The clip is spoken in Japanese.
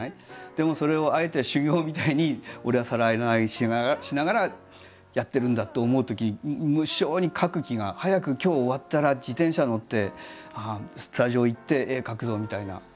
でもそれをあえて修業みたいに俺は皿洗いしながらやってるんだって思うとき無性に描く気が早く今日終わったら自転車乗ってスタジオ行って絵描くぞみたいな。